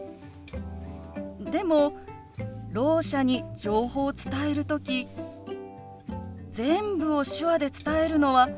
でもろう者に情報を伝える時全部を手話で伝えるのは難しいと思うの。